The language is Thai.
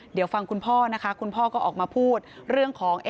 เดี๋ยวฟังคุณพ่อนะคะคุณพ่อก็ออกมาพูดเรื่องของ